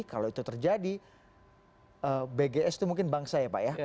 kalau itu terjadi bgs itu mungkin bangsa ya pak ya